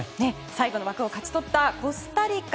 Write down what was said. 最後の枠をかけて勝ったコスタリカ。